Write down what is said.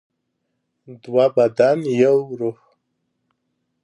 دوه بدن یو روح.